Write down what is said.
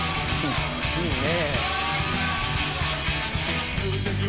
いいね」